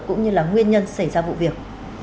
cũng như là nguyên nhân xảy ra vụ việc